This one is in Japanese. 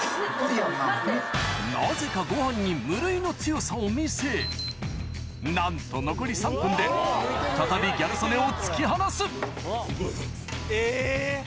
なぜかご飯に無類の強さを見せなんと再びギャル曽根を突き放すえぇ！